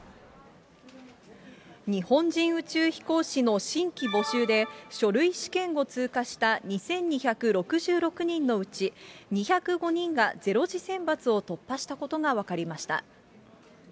日本人宇宙飛行士の新規募集で、書類試験を通過した２２６６人のうち、２０５人が０次選抜を突破したことが分かりました。